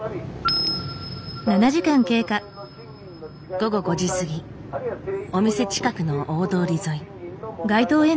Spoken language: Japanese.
午後５時過ぎお店近くの大通り沿い。